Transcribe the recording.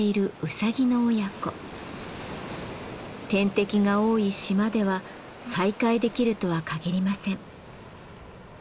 天敵が多い島では再会できるとは限りません。